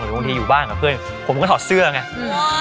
บางทีอยู่บ้านกับเพื่อนผมก็ถอดเสื้อไง